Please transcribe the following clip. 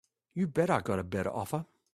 You bet I've got a better offer.